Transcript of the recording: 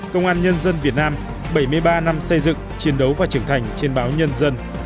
công an nhân dân việt nam bảy mươi ba năm xây dựng chiến đấu và trưởng thành trên báo nhân dân